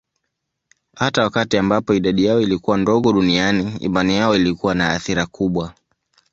Hata wakati ambapo idadi yao ilikuwa ndogo duniani, imani yao ilikuwa na athira kubwa.